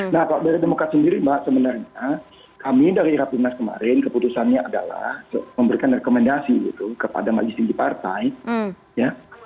nah pak dari demokrat sendiri pak sebenarnya kami dari ratunas kemarin keputusannya adalah memberikan rekomendasi gitu kepada magistri dipartai ya